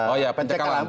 oh iya pencekalan